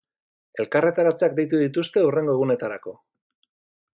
Elkarretaratzeak deitu dituzte hurrengo egunetarako.